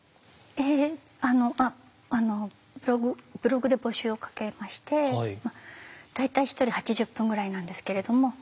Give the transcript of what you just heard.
えあのブログで募集をかけまして大体一人８０分ぐらいなんですけれども。